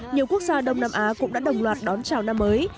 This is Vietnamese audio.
nhiều quốc gia đông nam á cũng đã đồng loạt đón chào năm mới